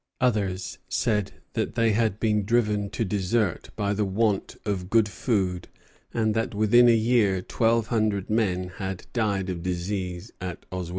Others said that they had been driven to desert by the want of good food, and that within a year twelve hundred men had died of disease at Oswego.